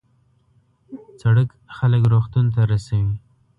سړک خلک روغتون ته رسوي.